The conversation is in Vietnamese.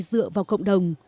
dựa vào cộng đồng